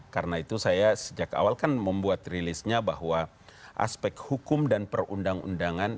karena itu saya sejak awal kan membuat rilisnya bahwa aspek hukum dan perundang undangan